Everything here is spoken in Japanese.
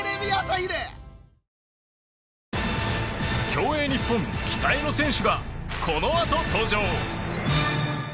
競泳日本期待の選手がこのあと登場。